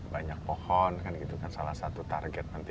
banyak pohon kan gitu kan salah satu target nanti